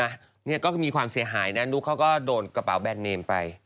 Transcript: เนี่ยก็มีความเสียหายนะนุ๊กเขาก็โดนกระเป๋าแบรนดเนมไป